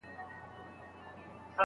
ځای پر ځای به وي ولاړ سر به یې ښوري